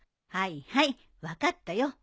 はいはい分かったよ。